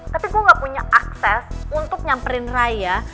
tapi gue gak punya akses untuk nyamperin raya